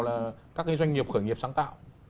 là các doanh nghiệp khởi nghiệp sáng tạo